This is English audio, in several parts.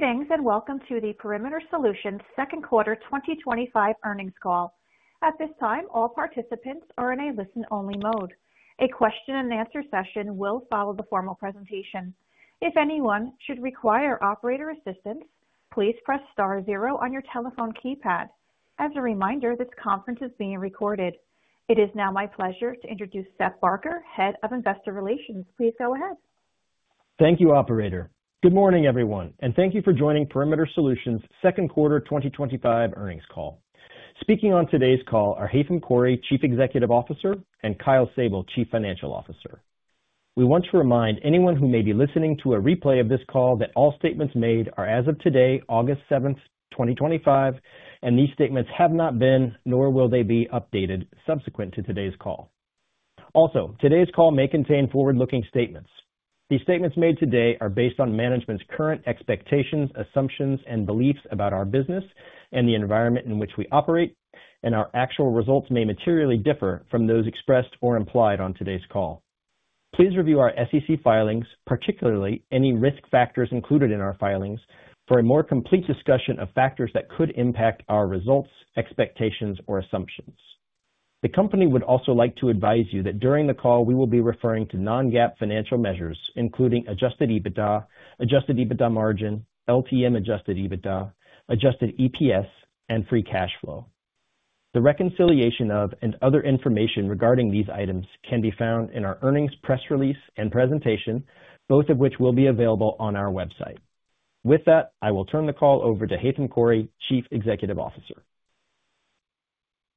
Greetings and welcome to the Perimeter Solutions Second Quarter 2025 Earnings Call. At this time, all participants are in a listen-only mode. A question-and-answer session will follow the formal presentation. If anyone should require operator assistance, please press star zero on your telephone keypad. As a reminder, this conference is being recorded. It is now my pleasure to introduce Seth Barker, Head of Investor Relations. Please go ahead. Thank you, Operator. Good morning, everyone, and thank you for joining Perimeter Solutions second quarter 2025 earnings call. Speaking on today's call are Haitham Khouri, Chief Executive Officer, and Kyle Sable, Chief Financial Officer. We want to remind anyone who may be listening to a replay of this call that all statements made are as of today, August 7th, 2025, and these statements have not been, nor will they be, updated subsequent to today's call. Also, today's call may contain forward-looking statements. These statements made today are based on management's current expectations, assumptions, and beliefs about our business and the environment in which we operate, and our actual results may materially differ from those expressed or implied on today's call. Please review our SEC filings, particularly any risk factors included in our filings, for a more complete discussion of factors that could impact our results, expectations, or assumptions. The company would also like to advise you that during the call, we will be referring to non-GAAP financial measures, including adjusted EBITDA, adjusted EBITDA margin, LTM adjusted EBITDA, adjusted EPS, and free cash flow. The reconciliation of and other information regarding these items can be found in our earnings press release and presentation, both of which will be available on our website. With that, I will turn the call over to Haitham Khouri, Chief Executive Officer.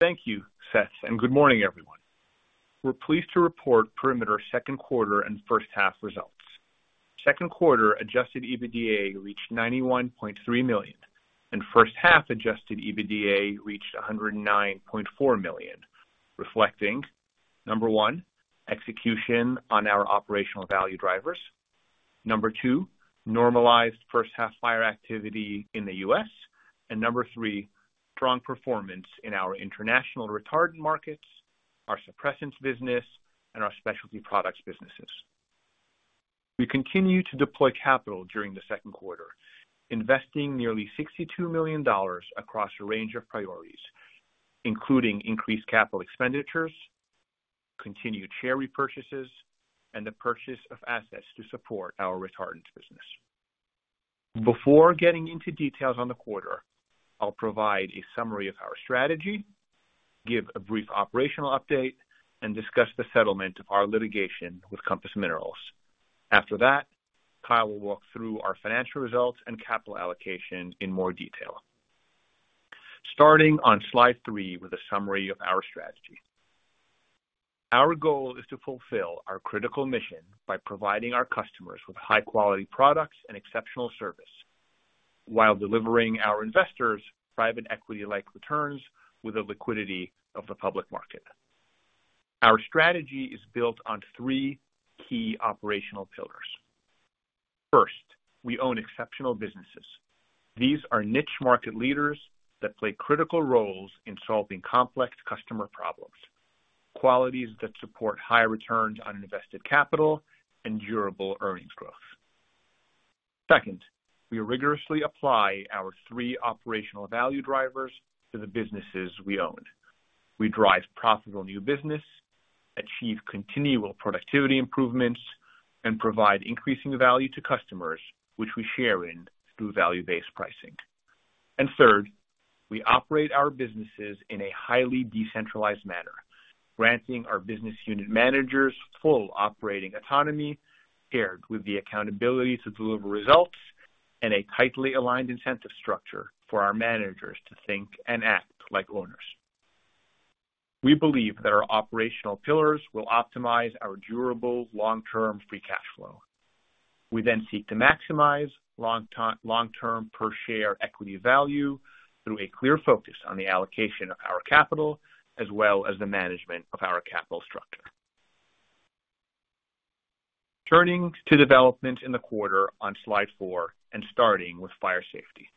Thank you, Seth, and good morning, everyone. We're pleased to report Perimeter's second quarter and first half results. Second quarter adjusted EBITDA reached $91.3 million, and first half adjusted EBITDA reached $109.4 million, reflecting: number one, execution on our operational value drivers; number two, normalized first-half fire activity in the U.S.; and number three, strong performance in our international retardant markets, our suppressants business, and our Specialty Products businesses. We continue to deploy capital during the second quarter, investing nearly $62 million across a range of priorities, including increased capital expenditures, continued share repurchases, and the purchase of assets to support our retardants business. Before getting into details on the quarter, I'll provide a summary of our strategy, give a brief operational update, and discuss the settlement of our litigation with Compass Minerals. After that, Kyle will walk through our financial results and capital allocation in more detail. Starting on slide three with a summary of our strategy. Our goal is to fulfill our critical mission by providing our customers with high-quality products and exceptional service, while delivering our investors private equity-like returns with the liquidity of the public market. Our strategy is built on three key operational pillars. First, we own exceptional businesses. These are niche market leaders that play critical roles in solving complex customer problems, qualities that support high returns on invested capital and durable earnings growth. Second, we rigorously apply our three operational value drivers to the businesses we own. We drive profitable new business, achieve continual productivity improvements, and provide increasing value to customers, which we share in through value-based pricing. Third, we operate our businesses in a highly decentralized manner, granting our business unit managers full operating autonomy, paired with the accountability to deliver results, and a tightly aligned incentive structure for our managers to think and act like owners. We believe that our operational pillars will optimize our durable long-term free cash flow. We then seek to maximize long-term per share equity value through a clear focus on the allocation of our capital, as well as the management of our capital structure. Turning to development in the quarter on slide four and starting with Fire Safety.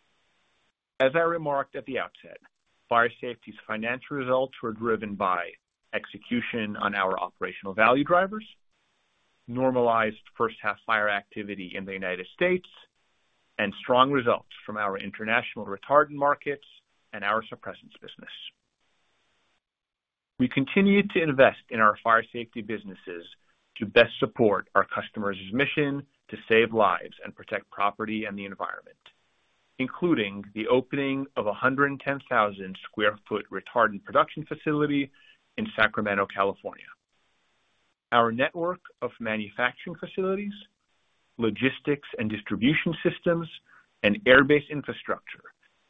As I remarked at the outset, Fire Safety's financial results were driven by execution on our operational value drivers, normalized first-half fire activity in the U.S., and strong results from our international retardant markets and our suppressants business. We continue to invest in our Fire Safety businesses to best support our customers' mission to save lives and protect property and the environment, including the opening of a 110,000 square foot retardant production facility in Sacramento, California. Our network of manufacturing facilities, logistics and distribution systems, and airbase infrastructure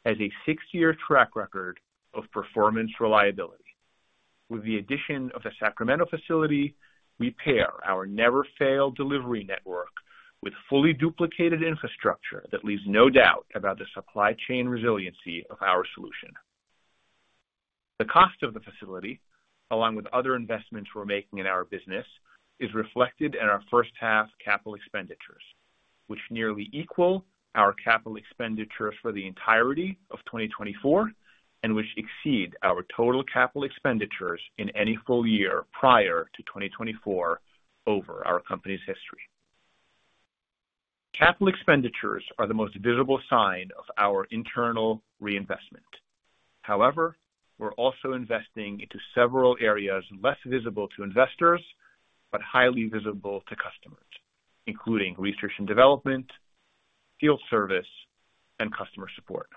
has a six-year track record of performance reliability. With the addition of the Sacramento facility, we pair our never-fail delivery network with fully duplicated infrastructure that leaves no doubt about the supply chain resiliency of our solution. The cost of the facility, along with other investments we're making in our business, is reflected in our first-half capital expenditures, which nearly equal our capital expenditures for the entirety of 2024 and which exceed our total capital expenditures in any full year prior to 2024 over our company's history. Capital expenditures are the most visible sign of our internal reinvestment. However, we're also investing into several areas less visible to investors but highly visible to customers, including research and development, field service, and customer support.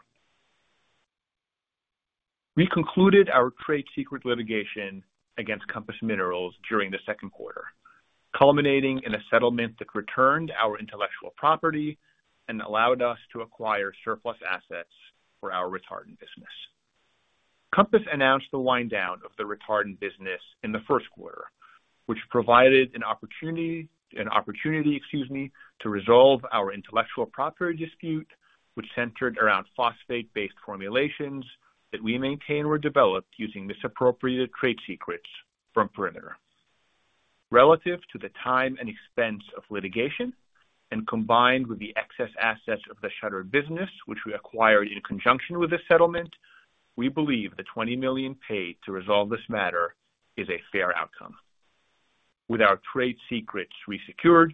We concluded our trade secret litigation against Compass Minerals during the second quarter, culminating in a settlement that returned our intellectual property and allowed us to acquire surplus assets for our retardant business. Compass Minerals announced the wind-down of the retardant business in the first quarter, which provided an opportunity to resolve our intellectual property dispute, which centered around phosphate-based formulations that we maintain were developed using misappropriated trade secrets from Perimeter Solutions. Relative to the time and expense of litigation, and combined with the excess assets of the shuttered business, which we acquired in conjunction with the settlement, we believe the $20 million paid to resolve this matter is a fair outcome. With our trade secrets resecured,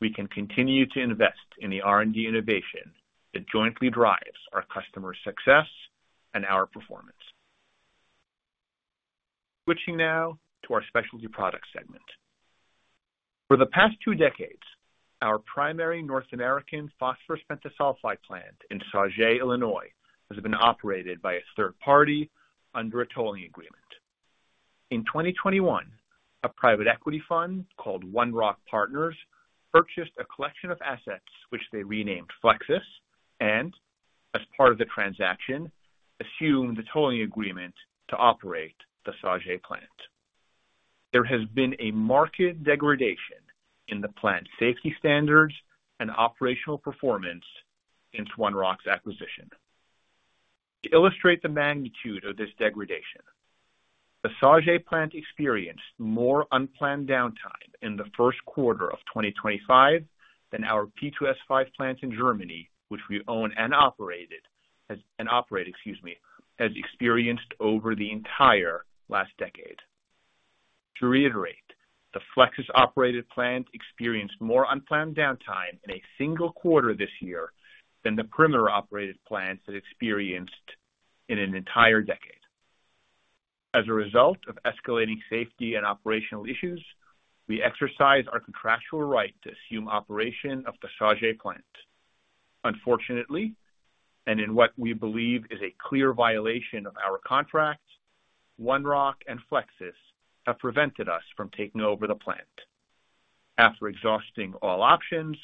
we can continue to invest in the R&D innovation that jointly drives our customer success and our performance. Switching now to our specialty products segment. For the past two decades, our primary North American phosphorus methysulfide plant in Sauget, Illinois, has been operated by a third party under a tolling agreement. In 2021, a private equity fund called One Rock Partners purchased a collection of assets, which they renamed Flexsys and, as part of the transaction, assumed the tolling agreement to operate the Sauget plant. There has been a marked degradation in the plant's safety standards and operational performance since One Rock's acquisition. To illustrate the magnitude of this degradation, the Sauget plant experienced more unplanned downtime in the first quarter of 2025 than our P2S5 plant in Germany, which we own and operate, has experienced over the entire last decade. To reiterate, the Flexsys-operated plant experienced more unplanned downtime in a single quarter this year than the Perimeter Solutions-operated plants have experienced in an entire decade. As a result of escalating safety and operational issues, we exercised our contractual right to assume operation of the Sauget plant. Unfortunately, and in what we believe is a clear violation of our contracts, One Rock and Flexsys have prevented us from taking over the plant. After exhausting all options,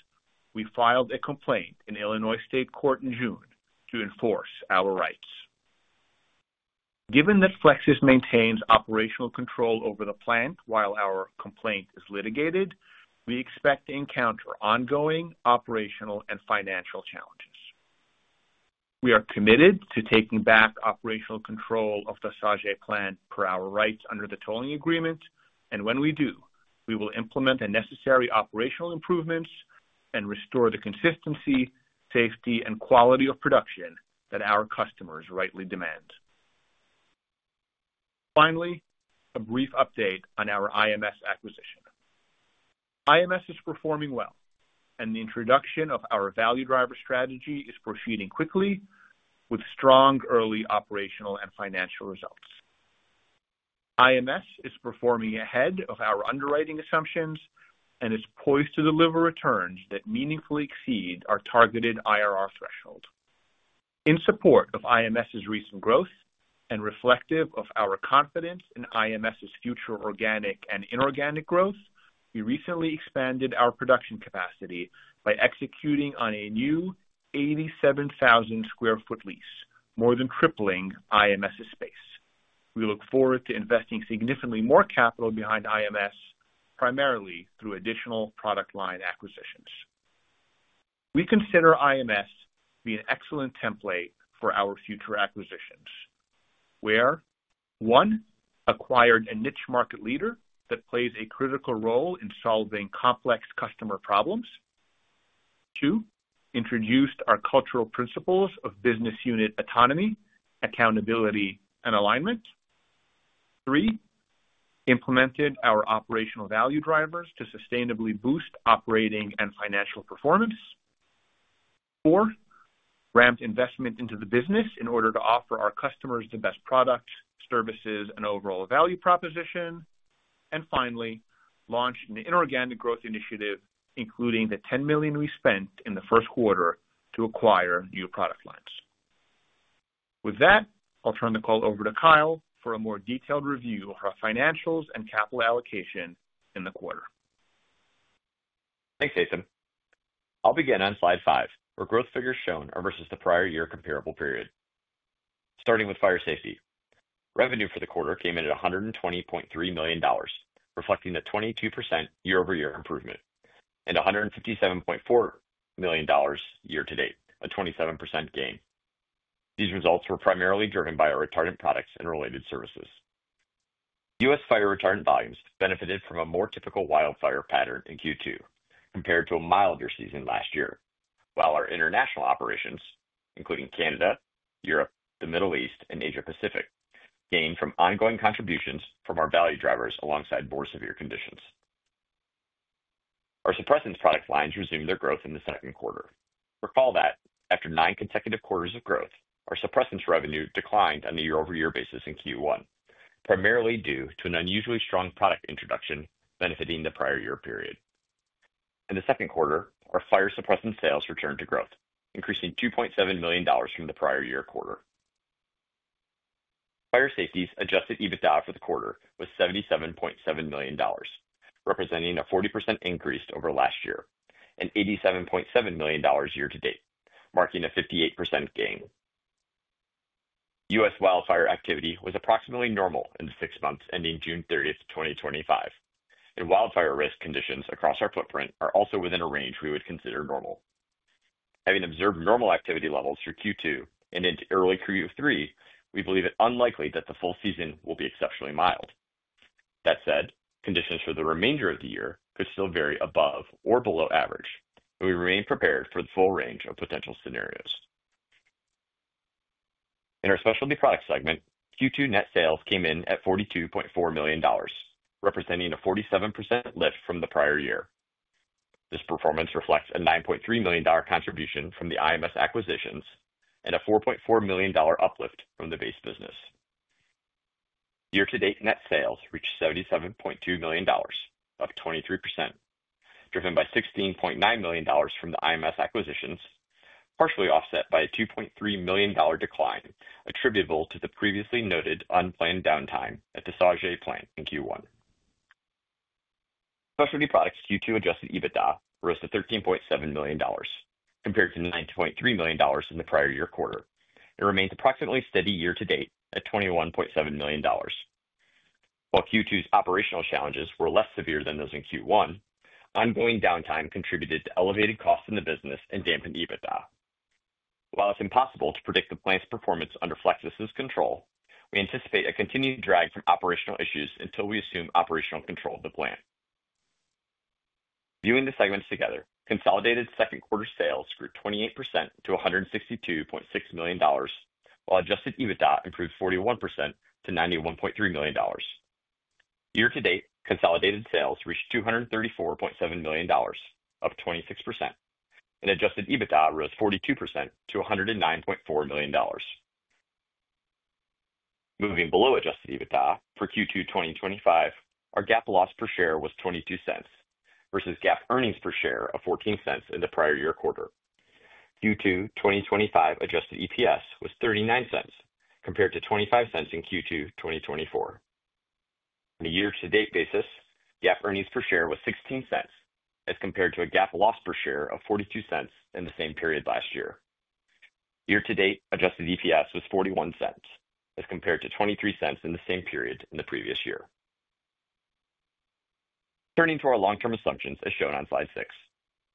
we filed a complaint in Illinois State Court in June to enforce our rights. Given that Flexsys maintains operational control over the plant while our complaint is litigated, we expect to encounter ongoing operational and financial challenges. We are committed to taking back operational control of the Sauget plant per our rights under the tolling agreement, and when we do, we will implement the necessary operational improvements and restore the consistency, safety, and quality of production that our customers rightly demand. Finally, a brief update on our IMS acquisition. IMS is performing well, and the introduction of our value driver strategy is proceeding quickly with strong early operational and financial results. IMS is performing ahead of our underwriting assumptions and is poised to deliver returns that meaningfully exceed our targeted IRR threshold. In support of IMS's recent growth and reflective of our confidence in IMS's future organic and inorganic growth, we recently expanded our production capacity by executing on a new 87,000 square foot lease, more than tripling IMS's space. We look forward to investing significantly more capital behind IMS, primarily through additional product line acquisitions. We consider IMS to be an excellent template for our future acquisitions, where one, acquired a niche market leader that plays a critical role in solving complex customer problems, two, introduced our cultural principles of business unit autonomy, accountability, and alignment, three, implemented our operational value drivers to sustainably boost operating and financial performance, four, ramped investment into the business in order to offer our customers the best product, services, and overall value proposition, and finally, launched an inorganic growth initiative, including the $10 million we spent in the first quarter to acquire new product lines. With that, I'll turn the call over to Kyle for a more detailed review of our financials and capital allocation in the quarter. Thanks, Haitham. I'll begin on slide five, where growth figures shown are versus the prior year comparable period. Starting with Fire Safety, revenue for the quarter came in at $120.3 million, reflecting a 22% year-over-year improvement, and $157.4 million year-to-date, a 27% gain. These results were primarily driven by our retardant products and related services. U.S. fire retardant volumes benefited from a more typical wildfire pattern in Q2 compared to a milder season last year, while our international operations, including Canada, Europe, the Middle East, and Asia Pacific, gained from ongoing contributions from our value drivers alongside more severe conditions. Our suppressants product lines resumed their growth in the second quarter. Recall that after nine consecutive quarters of growth, our suppressants revenue declined on a year-over-year basis in Q1, primarily due to an unusually strong product introduction benefiting the prior year period. In the second quarter, our fire suppressant sales returned to growth, increasing $2.7 million from the prior year quarter. Fire safety's adjusted EBITDA for the quarter was $77.7 million, representing a 40% increase over last year, and $87.7 million year-to-date, marking a 58% gain. U.S. wildfire activity was approximately normal in the six months ending June 30th, 2025, and wildfire risk conditions across our footprint are also within a range we would consider normal. Having observed normal activity levels through Q2 and into early Q3, we believe it's unlikely that the full season will be exceptionally mild. That said, conditions for the remainder of the year could still vary above or below average, and we remain prepared for the full range of potential scenarios. In our specialty products segment, Q2 net sales came in at $42.4 million, representing a 47% lift from the prior year. This performance reflects a $9.3 million contribution from the IMS acquisitions and a $4.4 million uplift from the base business. Year-to-date net sales reached $77.2 million, up 23%, driven by $16.9 million from the IMS acquisitions, partially offset by a $2.3 million decline attributable to the previously noted unplanned downtime at the Sauget plant in Q1. Specialty Products Q2 adjusted EBITDA rose to $13.7 million, compared to $9.3 million in the prior year quarter, and remains approximately steady year-to-date at $21.7 million. While Q2's operational challenges were less severe than those in Q1, ongoing downtime contributed to elevated costs in the business and dampened EBITDA. While it's impossible to predict the plant's performance under Flexsys's control, we anticipate a continued drag from operational issues until we assume operational control of the plant. Viewing the segments together, consolidated second quarter sales grew 28% to $162.6 million, while adjusted EBITDA improved 41% to $91.3 million. Year-to-date, consolidated sales reached $234.7 million, up 26%, and adjusted EBITDA rose 42% to $109.4 million. Moving below adjusted EBITDA for Q2 2025, our GAAP loss per share was $0.22 versus GAAP earnings per share of $0.14 in the prior year quarter. Q2 2025 adjusted EPS was $0.39 compared to $0.25 in Q2 2024. On a year-to-date basis, GAAP earnings per share was $0.16 as compared to a GAAP loss per share of $0.42 in the same period last year. Year-to-date adjusted EPS was $0.41 as compared to $0.23 in the same period in the previous year. Turning to our long-term assumptions, as shown on slide six,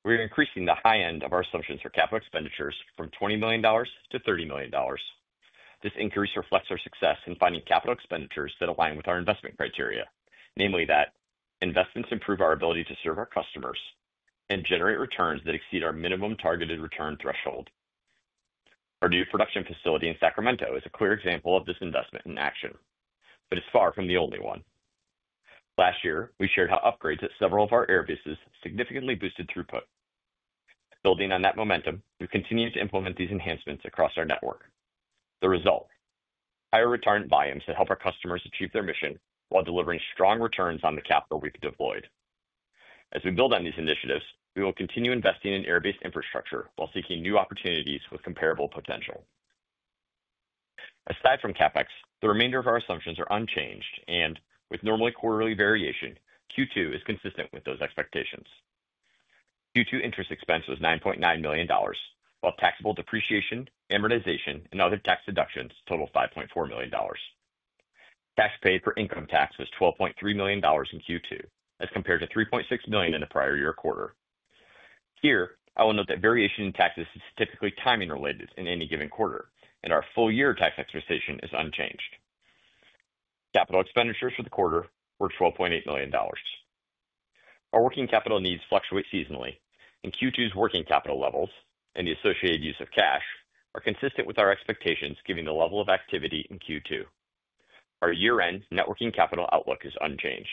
we're increasing the high end of our assumptions for capital expenditures from $20 million-$30 million. This increase reflects our success in finding capital expenditures that align with our investment criteria, namely that investments improve our ability to serve our customers and generate returns that exceed our minimum targeted return threshold. Our new production facility in Sacramento, California is a clear example of this investment in action, but it's far from the only one. Last year, we shared how upgrades at several of our airbases significantly boosted throughput. Building on that momentum, we continue to implement these enhancements across our network. The result? Higher returning volumes that help our customers achieve their mission while delivering strong returns on the capital we've deployed. As we build on these initiatives, we will continue investing in airbase infrastructure while seeking new opportunities with comparable potential. Aside from CapEx, the remainder of our assumptions are unchanged, and with normal quarterly variation, Q2 is consistent with those expectations. Q2 interest expense was $9.9 million, while taxable depreciation, amortization, and other tax deductions totaled $5.4 million. Tax paid for income tax was $12.3 million in Q2, as compared to $3.6 million in the prior year quarter. Here, I will note that variation in taxes is typically timing related in any given quarter, and our full-year tax expectation is unchanged. Capital expenditures for the quarter were $12.8 million. Our working capital needs fluctuate seasonally, and Q2's working capital levels and the associated use of cash are consistent with our expectations, given the level of activity in Q2. Our year-end net working capital outlook is unchanged.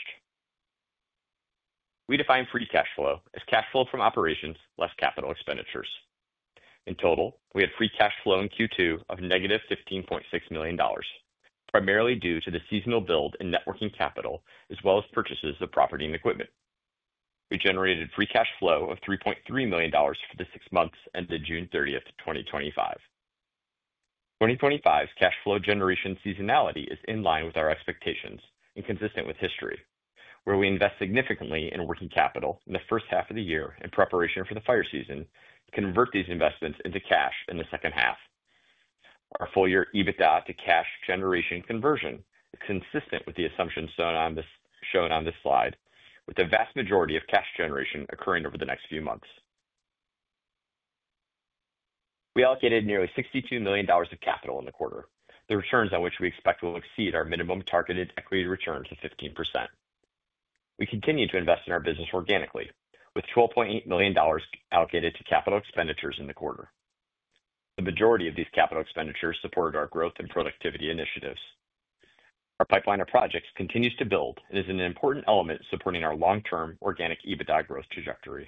We define free cash flow as cash flow from operations less capital expenditures. In total, we had free cash flow in Q2 of negative $15.6 million, primarily due to the seasonal build in net working capital, as well as purchases of property and equipment. We generated free cash flow of $3.3 million for the six months ended June 30th, 2025. 2025's cash flow generation seasonality is in line with our expectations and consistent with history, where we invest significantly in working capital in the first half of the year in preparation for the fire season and convert these investments into cash in the second half. Our full-year EBITDA to cash generation conversion is consistent with the assumptions shown on this slide, with the vast majority of cash generation occurring over the next few months. We allocated nearly $62 million of capital in the quarter, the returns on which we expect will exceed our minimum targeted equity returns of 15%. We continue to invest in our business organically, with $12.8 million allocated to capital expenditures in the quarter. The majority of these capital expenditures supported our growth and productivity initiatives. Our pipeline of projects continues to build and is an important element supporting our long-term organic EBITDA growth trajectory.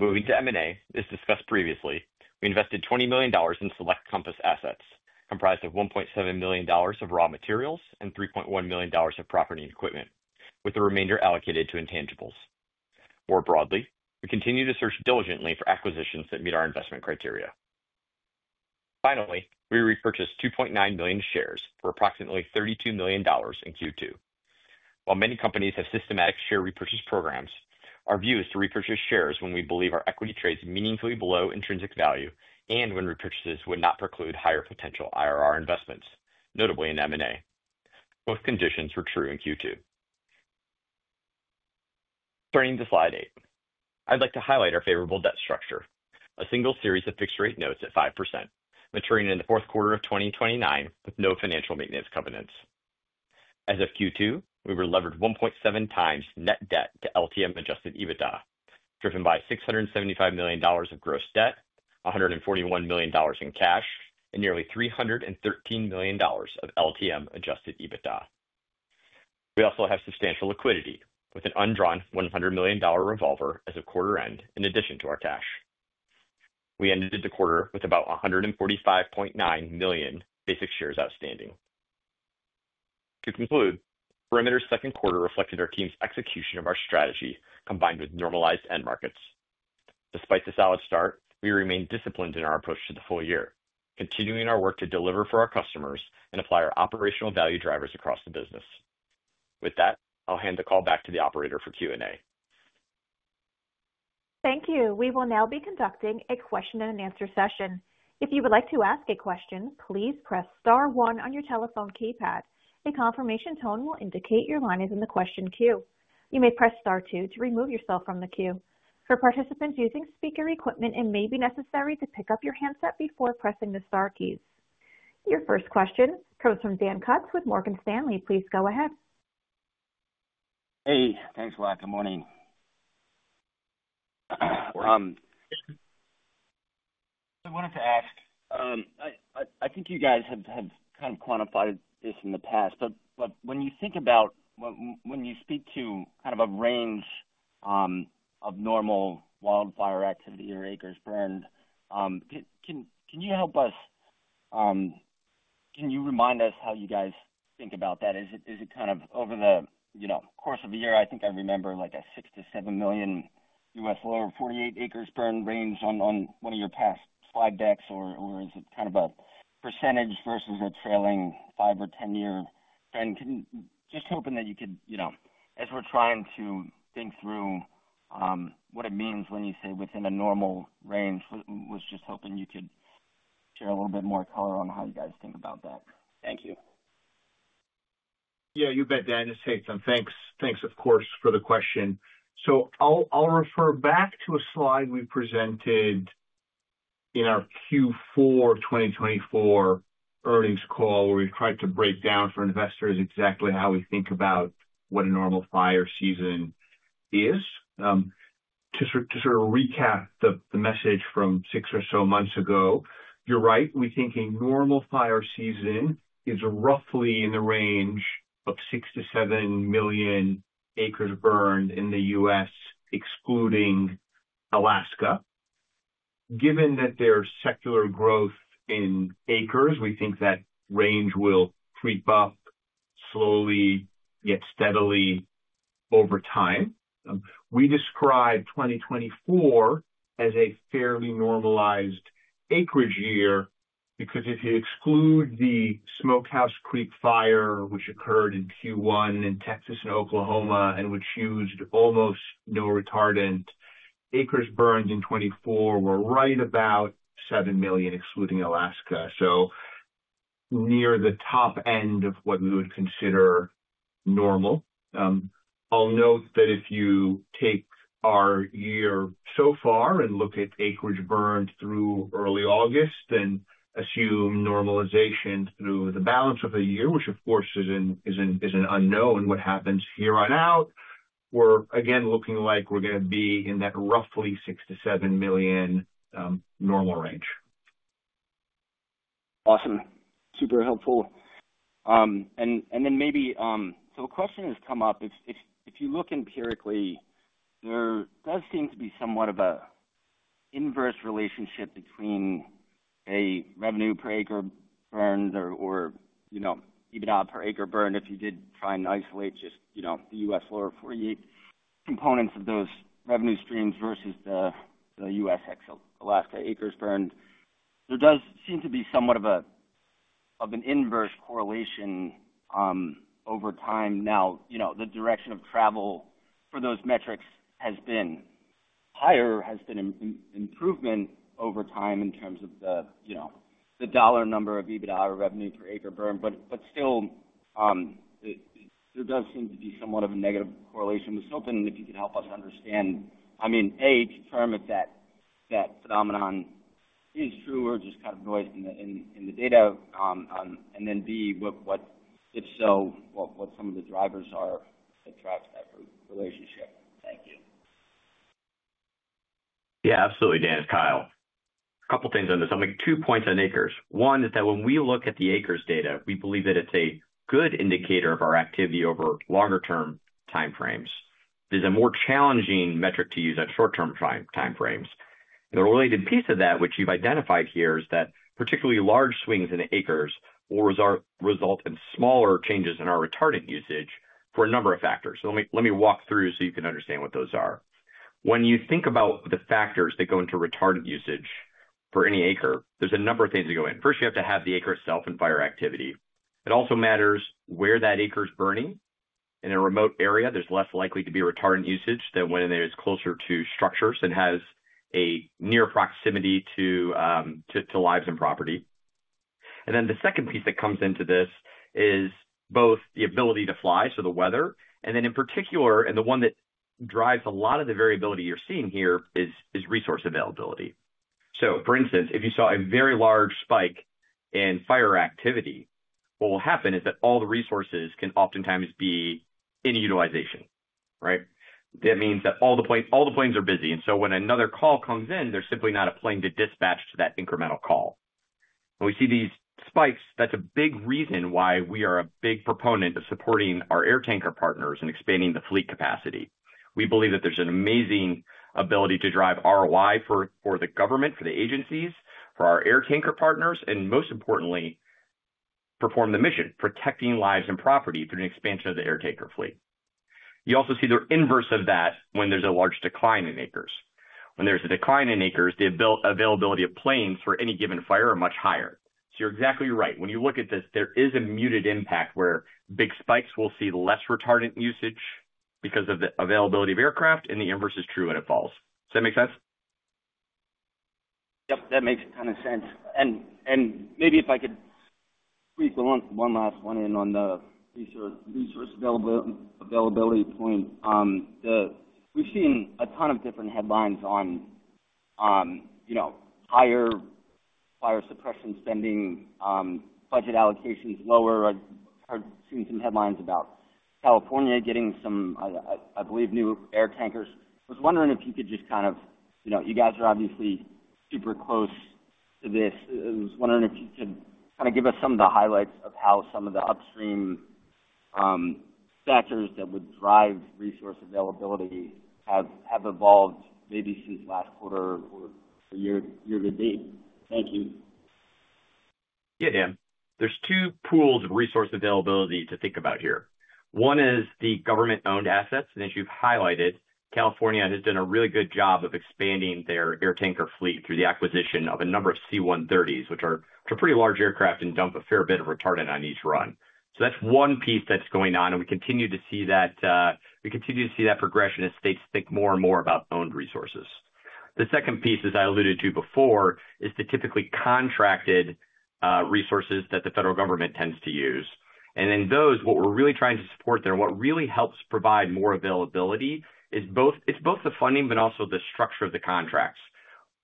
Moving to M&A, as discussed previously, we invested $20 million in select Compass Minerals assets, comprised of $1.7 million of raw materials and $3.1 million of property and equipment, with the remainder allocated to intangibles. More broadly, we continue to search diligently for acquisitions that meet our investment criteria. Finally, we repurchased 2.9 million shares for approximately $32 million in Q2. While many companies have systematic share repurchase programs, our view is to repurchase shares when we believe our equity trades meaningfully below intrinsic value and when repurchases would not preclude higher potential IRR investments, notably in M&A. Both conditions were true in Q2. Turning to slide eight, I'd like to highlight our favorable debt structure, a single series of fixed-rate notes at 5%, maturing in the fourth quarter of 2029 with no financial maintenance covenants. As of Q2, we were levered 1.7x net debt to LTM adjusted EBITDA, driven by $675 million of gross debt, $141 million in cash, and nearly $313 million of LTM adjusted EBITDA. We also have substantial liquidity, with an undrawn $100 million revolver as of quarter end in addition to our cash. We ended the quarter with about 145.9 million basic shares outstanding. To conclude, Perimeter Solutions second quarter reflected our team's execution of our strategy combined with normalized end markets. Despite the solid start, we remain disciplined in our approach to the full year, continuing our work to deliver for our customers and apply our operational value drivers across the business. With that, I'll hand the call back to the operator for Q&A. Thank you. We will now be conducting a question-and-answer session. If you would like to ask a question, please press star one on your telephone keypad. A confirmation tone will indicate your line is in the question queue. You may press star two to remove yourself from the queue. For participants using speaker equipment, it may be necessary to pick up your handset before pressing the star keys. Your first question comes from Dan Kutz with Morgan Stanley. Please go ahead. Hey, thanks a lot. Good morning. We wanted to ask, I think you guys have kind of quantified this in the past, but when you think about when you speak to kind of a range of normal wildfire activity or acres burned, can you help us? Can you remind us how you guys think about that? Is it kind of over the course of a year? I think I remember like a 6 million-7 million U.S. lower 48 acres burned range on one of your past slide decks, or is it kind of a percentage versus a trailing five or 10-year trend? Just hoping that you could, you know, as we're trying to think through what it means when you say within a normal range, was just hoping you could share a little bit more color on how you guys think about that. Thank you. Yeah, you bet, Dan. It's Haitham. Thanks. Thanks, of course, for the question. I'll refer back to a slide we presented in our Q4 2024 earnings call where we tried to break down for investors exactly how we think about what a normal fire season is. To recap the message from six or so months ago, you're right. We think a normal fire season is roughly in the range of 6 million-7 million acres burned in the U.S., excluding Alaska. Given that there's secular growth in acres, we think that range will creep up slowly yet steadily over time. We describe 2024 as a fairly normalized acreage year because if you exclude the Smokehouse Creek fire, which occurred in Q1 in Texas and Oklahoma, and which used almost no retardant, acres burned in 2024 were right about 7 million, excluding Alaska. That is near the top end of what we would consider normal. I'll note that if you take our year so far and look at acreage burned through early August, then assume normalization through the balance of the year, which of course is an unknown, what happens year on out, we're again looking like we're going to be in that roughly 6 million-7 million normal range. Awesome. Super helpful. Maybe a question has come up. If you look empirically, there does seem to be somewhat of an inverse relationship between revenue per acre burned or, you know, EBITDA per acre burned. If you did try and isolate just, you know, the U.S. lower 48 components of those revenue streams versus the U.S. ex-Alaska acres burned, there does seem to be somewhat of an inverse correlation over time. Now, you know, the direction of travel for those metrics has been higher, has been an improvement over time in terms of the, you know, the dollar number of EBITDA or revenue per acre burned. Still, there does seem to be somewhat of a negative correlation. I was hoping if you could help us understand, I mean, A, confirm if that phenomenon is true or just kind of noise in the data, and then B, what, if so, what some of the drivers are that drive that relationship. Thank you. Yeah, absolutely. Dan, it's Kyle. A couple of things on this. I'll make two points on acres. One is that when we look at the acres data, we believe that it's a good indicator of our activity over longer term timeframes. It is a more challenging metric to use at short term timeframes. The related piece of that, which you've identified here, is that particularly large swings in acres will result in smaller changes in our retardant usage for a number of factors. Let me walk through so you can understand what those are. When you think about the factors that go into retardant usage for any acre, there's a number of things that go in. First, you have to have the acre itself and fire activity. It also matters where that acre is burning. In a remote area, there's less likely to be retardant usage than when it is closer to structures and has a near proximity to lives and property. The second piece that comes into this is both the ability to fly, so the weather, and in particular, the one that drives a lot of the variability you're seeing here is resource availability. For instance, if you saw a very large spike in fire activity, what will happen is that all the resources can oftentimes be in utilization, right? That means that all the planes are busy. When another call comes in, there's simply not a plane to dispatch to that incremental call. When we see these spikes, that's a big reason why we are a big proponent of supporting our air tanker partners and expanding the fleet capacity. We believe that there's an amazing ability to drive ROI for the government, for the agencies, for our air tanker partners, and most importantly, perform the mission, protecting lives and property through an expansion of the air tanker fleet. You also see the inverse of that when there's a large decline in acres. When there's a decline in acres, the availability of planes for any given fire is much higher. You're exactly right. When you look at this, there is a muted impact where big spikes will see less retardant usage because of the availability of aircraft, and the inverse is true when it falls. Does that make sense? Yep, that makes a ton of sense. Maybe if I could squeeze one last one in on the resource availability point, we've seen a ton of different headlines on, you know, higher fire suppression spending, budget allocations lower. I've seen some headlines about California getting some, I believe, new air tankers. I was wondering if you could just kind of, you know, you guys are obviously super close to this. I was wondering if you could kind of give us some of the highlights of how some of the upstream factors that would drive resource availability have evolved maybe since last quarter or the year-to-date. Thank you. Yeah, Dan. There are two pools of resource availability to think about here. One is the government-owned assets, and as you've highlighted, California has done a really good job of expanding their air tanker fleet through the acquisition of a number of C-130s, which are pretty large aircraft and dump a fair bit of retardant on each run. That's one piece that's going on, and we continue to see that progression as states think more and more about owned resources. The second piece, as I alluded to before, is the typically contracted resources that the federal government tends to use. In those, what we're really trying to support there, what really helps provide more availability is both the funding, but also the structure of the contracts.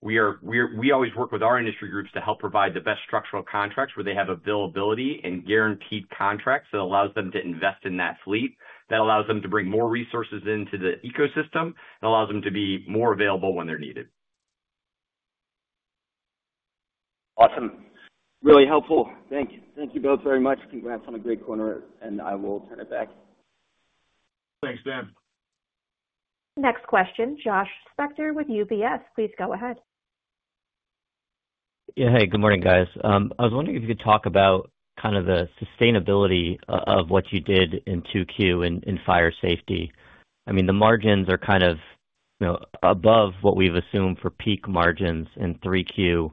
We always work with our industry groups to help provide the best structural contracts where they have availability and guaranteed contracts that allow them to invest in that fleet, that allows them to bring more resources into the ecosystem, that allows them to be more available when they're needed. Awesome. Really helpful. Thank you both very much. Congrats on a great quarter, and I will turn it back. Thanks, Dan. Next question, Josh Spector with UBS. Please go ahead. Yeah, hey, good morning, guys. I was wondering if you could talk about kind of the sustainability of what you did in 2Q in Fire Safety. I mean, the margins are kind of, you know, above what we've assumed for peak margins in 3Q.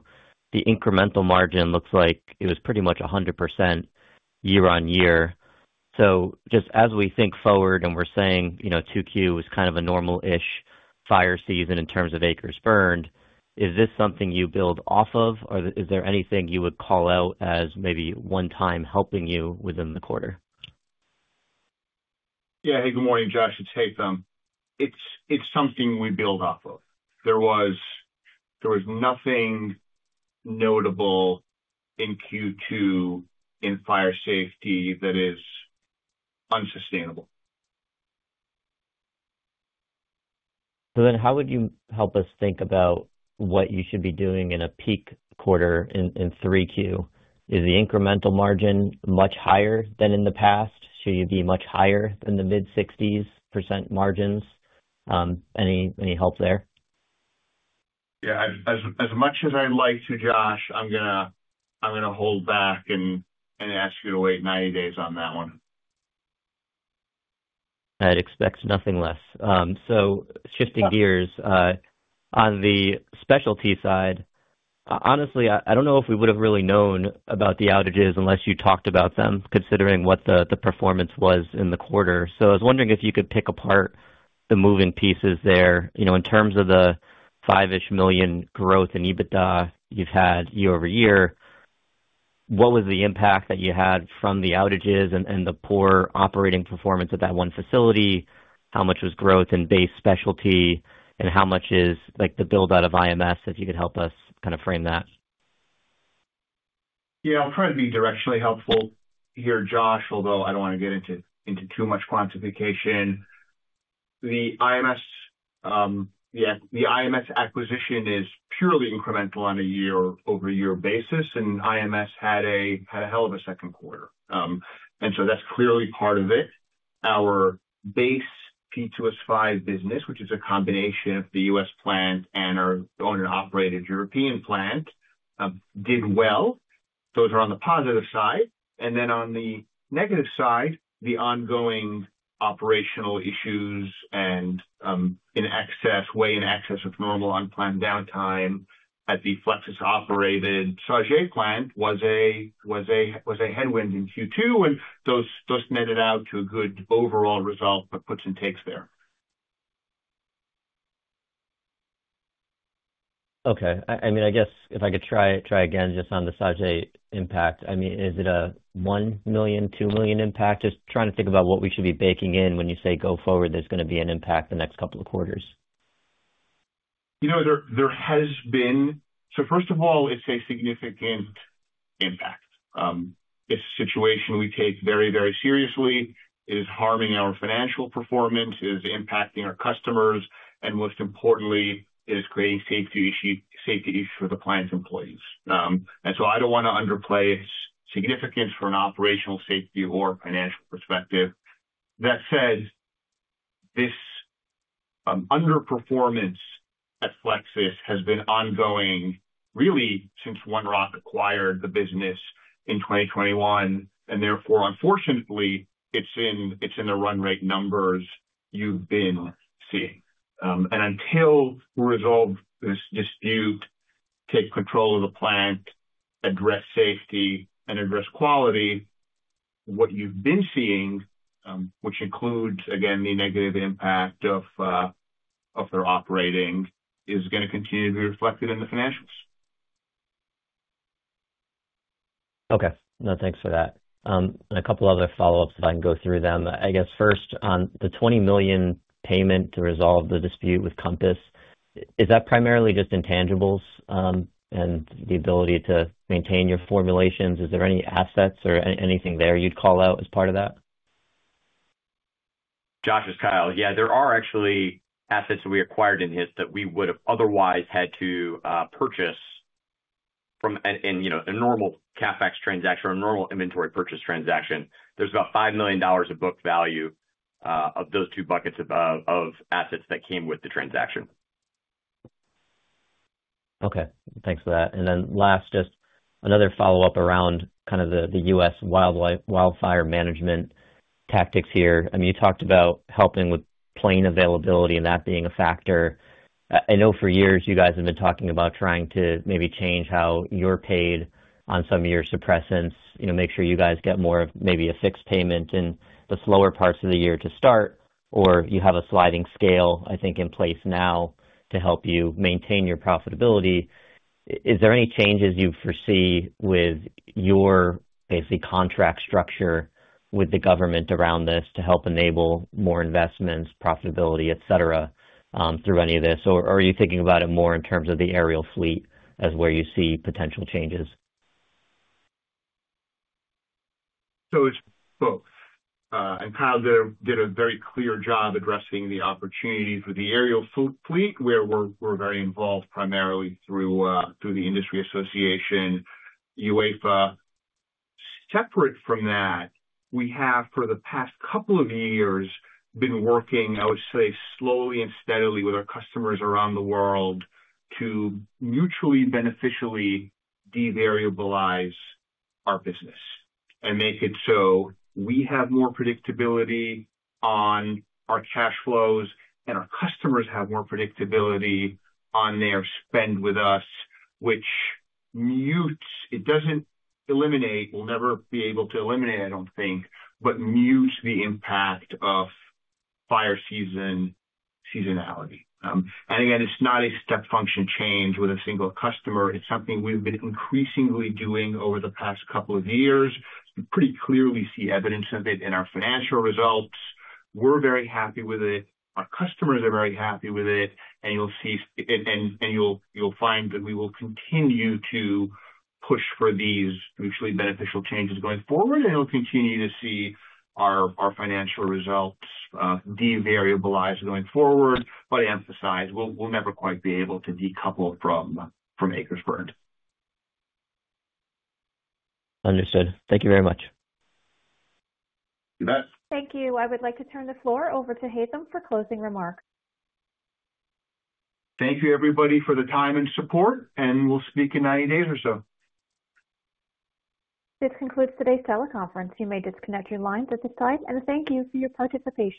The incremental margin looks like it was pretty much 100% year on year. Just as we think forward and we're saying, you know, 2Q was kind of a normal-ish fire season in terms of acres burned, is this something you build off of, or is there anything you would call out as maybe one time helping you within the quarter? Yeah, hey, good morning, Josh. It's Haitham. It's something we build off of. There was nothing notable in Q2 in Fire Safety that is unsustainable. How would you help us think about what you should be doing in a peak quarter in 3Q? Is the incremental margin much higher than in the past? Should you be much higher than the [mid-60%] margins? Any help there? Yeah, as much as I'd like to, Josh, I'm going to hold back and ask you to wait 90 days on that one. I'd expect nothing less. Shifting gears, on the specialty side, honestly, I don't know if we would have really known about the outages unless you talked about them, considering what the performance was in the quarter. I was wondering if you could pick apart the moving pieces there. In terms of the [$5-ish million] growth in EBITDA you've had year over year, what was the impact that you had from the outages and the poor operating performance at that one facility? How much was growth in base specialty and how much is like the build-out of IMS, if you could help us kind of frame that? Yeah, I'll try to be directionally helpful here, Josh, although I don't want to get into too much quantification. The IMS acquisition is purely incremental on a year-over-year basis, and IMS had a hell of a second quarter. That's clearly part of it. Our base P2S5 business, which is a combination of the U.S. plant and our owned and operated European plant, did well. Those are on the positive side. On the negative side, the ongoing operational issues and, in excess, way in excess of normal unplanned downtime at the Flexsys-operated Sauget, plant was a headwind in Q2, and those netted out to a good overall result with puts and takes there. Okay. I mean, I guess if I could try again just on the Sauget impact, I mean, is it a $1 million, $2 million impact? Just trying to think about what we should be baking in when you say going forward, there's going to be an impact the next couple of quarters. There has been, so first of all, it's a significant impact. This situation we take very, very seriously. It is harming our financial performance. It is impacting our customers, and most importantly, it is creating safety issues for the plant's employees. I don't want to underplay its significance from an operational safety or financial perspective. That said, this underperformance at Flexsys has been ongoing really since One Rock acquired the business in 2021, and therefore, unfortunately, it's in the run rate numbers you've been seeing. Until we resolve this dispute, take control of the plant, address safety, and address quality, what you've been seeing, which includes, again, the negative impact of their operating, is going to continue to be reflected in the financials. Okay. No, thanks for that. A couple of other follow-ups if I can go through them. I guess first on the $20 million payment to resolve the dispute with Compass Minerals. Is that primarily just intangibles and the ability to maintain your formulations? Is there any assets or anything there you'd call out as part of that? Josh, it's Kyle. Yeah, there are actually assets that we acquired in this that we would have otherwise had to purchase from a normal CapEx transaction or a normal inventory purchase transaction. There's about $5 million of booked value of those two buckets of assets that came with the transaction. Okay. Thanks for that. Last, just another follow-up around kind of the U.S. wildfire management tactics here. I mean, you talked about helping with plane availability and that being a factor. I know for years you guys have been talking about trying to maybe change how you're paid on some of your suppressants, you know, make sure you guys get more of maybe a fixed payment in the slower parts of the year to start, or you have a sliding scale, I think, in place now to help you maintain your profitability. Is there any changes you foresee with your basically contract structure with the government around this to help enable more investments, profitability, etc., through any of this? Are you thinking about it more in terms of the aerial fleet as where you see potential changes? Kyle did a very clear job addressing the opportunities for the aerial fleet, where we're very involved primarily through the Industry Association, [UEFA] Separate from that, we have for the past couple of years been working, I would say, slowly and steadily with our customers around the world to mutually beneficially de-variabilize our business and make it so we have more predictability on our cash flows and our customers have more predictability on their spend with us, which mutes, it doesn't eliminate, we'll never be able to eliminate, I don't think, but mutes the impact of fire season seasonality. It is not a step function change with a single customer. It's something we've been increasingly doing over the past couple of years. You pretty clearly see evidence of it in our financial results. We're very happy with it. Our customers are very happy with it. You'll see, and you'll find that we will continue to push for these mutually beneficial changes going forward. We'll continue to see our financial results de-variabilize going forward. I emphasize, we'll never quite be able to decouple from acres burned. Understood. Thank you very much. Thanks. Thank you. I would like to turn the floor over to Haitham for closing remarks. Thank you, everybody, for the time and support. We'll speak in 90 days or so. This concludes today's teleconference. You may disconnect your lines at this time, and thank you for your participation.